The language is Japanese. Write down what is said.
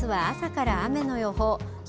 あすは朝から雨の予報。